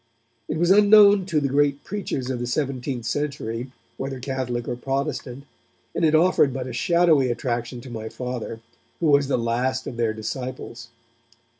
It was unknown to the great preachers of the seventeenth century, whether Catholic or Protestant, and it offered but a shadowy attraction to my Father, who was the last of their disciples.